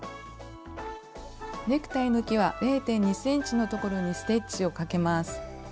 ネクタイのきわ０．２ｃｍのところにステッチをかけます。